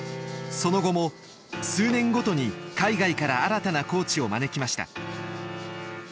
その後も数年ごとに海外から新たなコーチを招きました。